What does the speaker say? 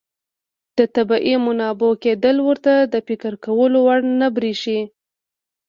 د طبیعي منابعو کمېدل ورته د فکر کولو وړ نه بريښي.